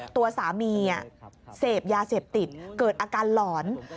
ตัวสามีเสพยาเสพติดเกิดอาการหลอน